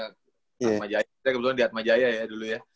atmajaya kita kebetulan di atmajaya ya dulu ya